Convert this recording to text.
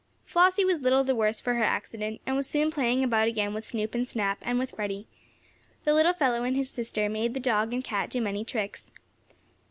Flossie was little the worse for her accident, and was soon playing about again with Snoop and Snap, and with Freddie. The little fellow and his sister made the dog and cat do many tricks.